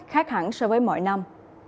khác hẳn so với mọi năm